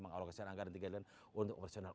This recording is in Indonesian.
mengalokasi anggaran tingkatan untuk operasional ut